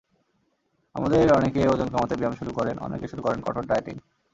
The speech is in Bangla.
আমাদের অনেকে ওজন কমাতে ব্যায়াম শুরু করেন, অনেকে শুরু করেন কঠোর ডায়েটিং।